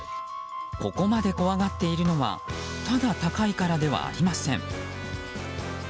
ここまで怖がっているのはただ高いからではありません。